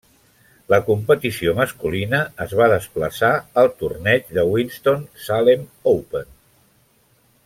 La competició masculina es va desplaçar al torneig de Winston-Salem Open.